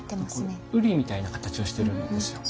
瓜みたいな形をしてるんですよ。